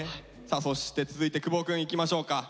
さあそして続いて久保くんいきましょうか。